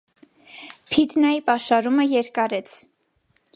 Փիդնայի պաշարումը երկարեց։